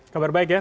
kabar baik ya